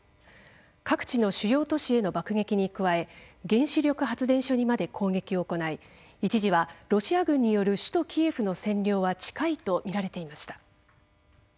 各地の主要都市への爆撃に加え原子力発電所にまで攻撃を行い一時はロシア軍による首都キエフの占領は近いとみられていました。